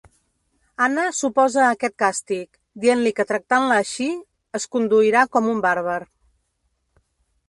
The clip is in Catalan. Anna s'oposa a aquest càstig, dient-li que tractant-la així, es conduirà com un bàrbar.